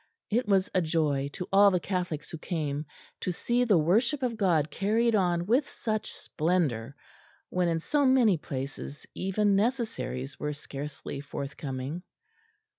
It was a joy to all the Catholics who came to see the worship of God carried on with such splendour, when in so many places even necessaries were scarcely forthcoming.